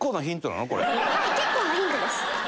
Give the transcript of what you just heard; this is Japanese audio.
はい結構なヒントです。